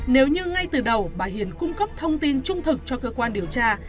nếu như ngay từ đầu bà hiền cung cấp thông tin trung thực cho cơ quan điều tra